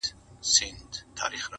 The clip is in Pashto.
صبر کوه خدای به درکړي،